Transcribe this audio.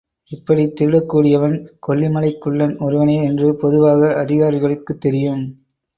இப்படித் திருடக்கூடியவன் கொல்லிமலைக் குள்ளன் ஒருவனே என்று பொதுவாக அதிகாரிகளுக்குத் தெரியும்.